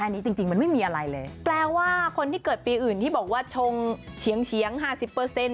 อันนี้จริงจริงมันไม่มีอะไรเลยแปลว่าคนที่เกิดปีอื่นที่บอกว่าชงเฉียงเฉียงห้าสิบเปอร์เซ็นต